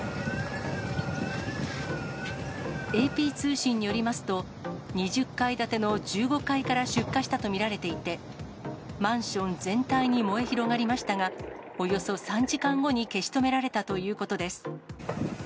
ＡＰ通信によりますと、２０階建ての１５階から出火したと見られていて、マンション全体に燃え広がりましたが、およそ３時間後に消し止められたということです。